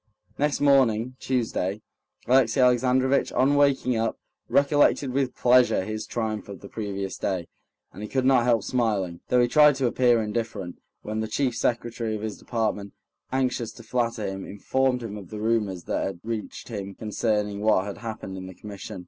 Next morning, Tuesday, Alexey Alexandrovitch, on waking up, recollected with pleasure his triumph of the previous day, and he could not help smiling, though he tried to appear indifferent, when the chief secretary of his department, anxious to flatter him, informed him of the rumors that had reached him concerning what had happened in the Commission.